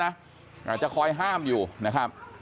อาจจะคอยห้ามอยู่นะครับ